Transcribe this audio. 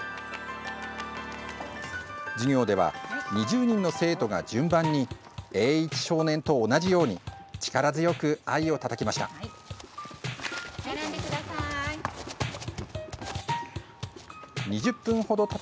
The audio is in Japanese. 授業では２０人の生徒が順番に栄一少年と同じように力強く藍をたたきました。